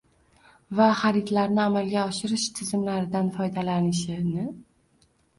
va xaridlarni amalga oshirish tizimlaridan foydalanishini